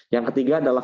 yang ketiga adalah